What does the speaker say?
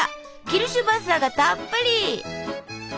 キルシュヴァッサーがたっぷり！